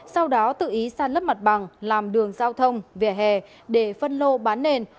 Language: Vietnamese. sau đó tự ý săn lấp mặt bằng làm đường giao thông vẻ hè để phân lô bán nền